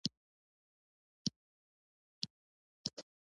ایا زه باید حس کړم؟